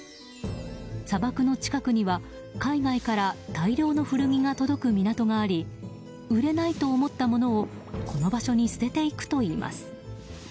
砂漠の近くには、海外から大量の古着が届く港があり売れないと思ったものをこの場所に捨てていくといいます。